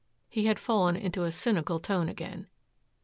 He had fallen into a cynical tone again.